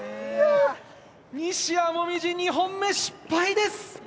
西矢椛、２本目失敗です。